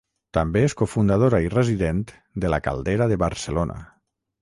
També és cofundadora i resident de La Caldera de Barcelona.